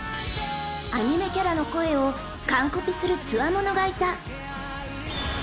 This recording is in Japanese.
［アニメキャラの声をカンコピするつわものがいた］